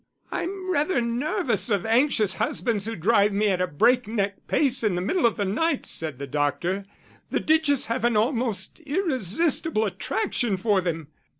"I'm rather nervous of anxious husbands who drive me at a breakneck pace in the middle of the night," said the doctor. "The ditches have an almost irresistible attraction for them."